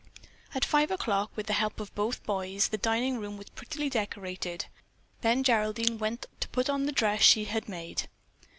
At five o'clock, with the help of both boys, the dining room was prettily decorated; then Geraldine went to put on the dress she had made.